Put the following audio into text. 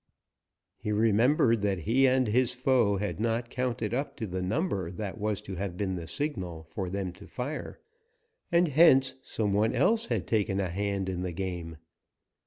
He remembered that he and his foe had not counted up to the number that was to have been the signal for them to fire, and hence some one else had taken a hand in the game.